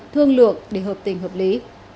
thương lượng để hợp tình hợp lý